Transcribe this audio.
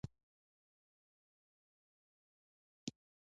په نهه سوه میلادي کال کې شاوخوا پنځلس زره کسانو ته راښکته کېږي.